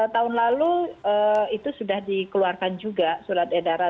tahun lalu itu sudah dikeluarkan juga surat edaran